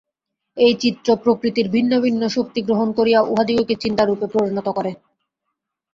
এই চিত্ত প্রকৃতির ভিন্ন ভিন্ন শক্তি গ্রহণ করিয়া উহাদিগকে চিন্তারূপে পরিণত করে।